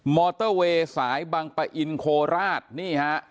มอเตอร์เวย์สายบังปะอินโคราชนี่ฮะ